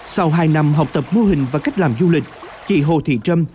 sau hai năm học tập mô hình và cách làm du lịch chị hồ thị trâm